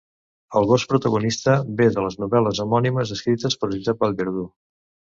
El gos protagonista ve de les novel·les homònimes escrites per Josep Vallverdú.